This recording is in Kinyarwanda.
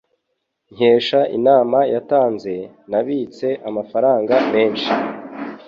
Nkesha inama yatanze, nabitse amafaranga menshi.